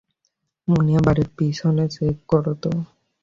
মানিয়া, বাড়ির পিছনে চেক করো তো।